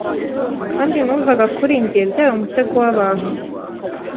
Kandi numvaga kuri njye byari umutego wabantu